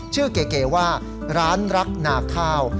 ชื่อเกลียวว่าร้านรักน่าข้าว